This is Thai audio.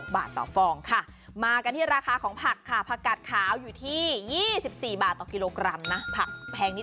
๔๖บาทต่อฟองค่ะมากันที่ราคาของผักค่ะภาคกราศคาวอยู่ที่๒๔บาทกิโลกรัมนะค่ะ